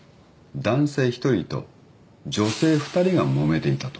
男性１人と女性２人がもめていたと。